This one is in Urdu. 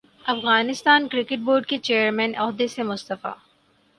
افغانستان کرکٹ بورڈ کے چیئرمین عہدے سے مستعفی